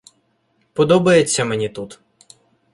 Подобається мені тут.